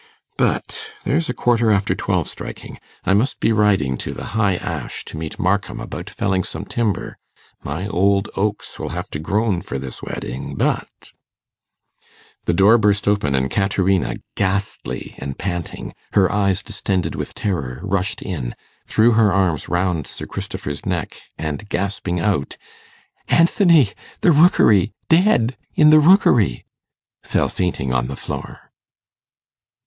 But there's a quarter after twelve striking. I must be riding to the High Ash to meet Markham about felling some timber. My old oaks will have to groan for this wedding, but' The door burst open, and Caterina, ghastly and panting, her eyes distended with terror, rushed in, threw her arms round Sir Christopher's neck, and gasping out 'Anthony ... the Rookery ... dead ... in the Rookery', fell fainting on the floor.